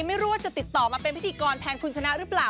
ไม่รู้ว่าจะติดต่อมาเป็นพิธีกรแทนคุณชนะหรือเปล่า